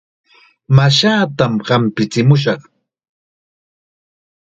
Mashaatam hampichimushaq.